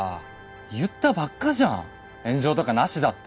言ったばっかじゃん炎上とかなしだって！